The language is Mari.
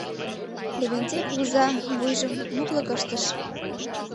Левентей кугыза вуйжым муклык ыштыш.